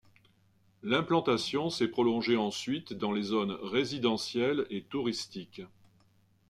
L'implantation s’est prolongée ensuite dans les zones résidentielles et touristiques.